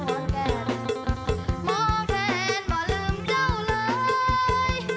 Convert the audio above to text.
ม่อรับรับในงามวนแก่